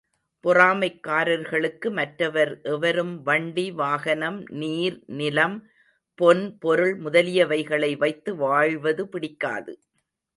பொறாமைக்காரர்களுக்கு மற்றவர் எவரும் வண்டி, வாகனம், நீர், நிலம், பொன், பொருள் முதலியவைகளை வைத்து வாழ்வது பிடிக்காது.